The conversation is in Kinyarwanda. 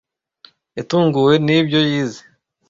Yatunguwe nibyo yize.